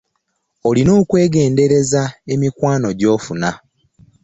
Olina okwegendereza emikwano gy'ofuna.